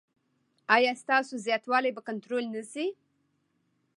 ایا ستاسو زیاتوالی به کنټرول نه شي؟